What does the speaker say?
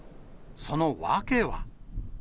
その訳は。